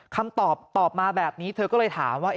คำตอบตอบมาแบบนี้เธอก็เลยถามว่า